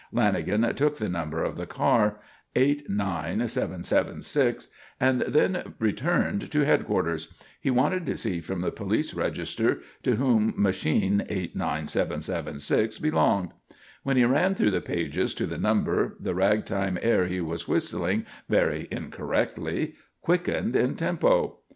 Lanagan took the number of the car, 89,776, and then returned to headquarters. He wanted to see from the police register to whom machine 89,776 belonged. When he ran through the pages to the number, the ragtime air he was whistling very incorrectly quickened in tempo.